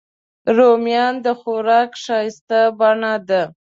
رومیان د خوراک ښایسته بڼه ده